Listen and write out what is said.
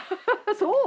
そう？